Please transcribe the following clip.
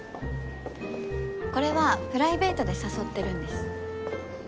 これはプライベートで誘ってるんです。